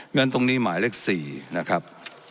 งั้นตรงนี้หมายเลข๔นะครับ